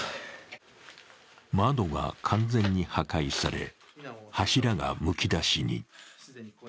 窓が完全に破壊され、柱がむき出しに。